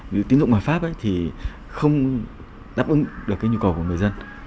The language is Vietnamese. ví dụ tín dụng ngoại pháp ấy thì không đáp ứng được cái nhu cầu của người dân